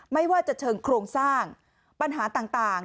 ไม่ว่าจะเชิงโครงสร้างปัญหาต่าง